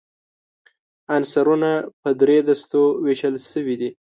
عنصرونه په درې دستو ویشل شوي دي.